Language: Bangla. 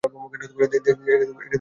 দেখতে ভালো লাগছে না!